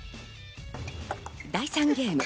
第３ゲーム。